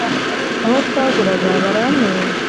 Abo twaguraga barampenda